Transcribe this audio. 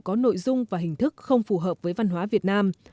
có nội dung và hình thức không phù hợp với văn hóa việt nam